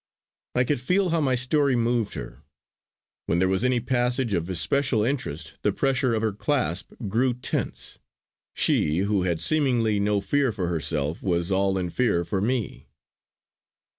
I could feel how my story moved her; when there was any passage of especial interest the pressure of her clasp grew tense. She, who had seemingly no fear for herself, was all in fear for me!